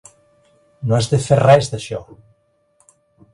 No has de fer res d'això!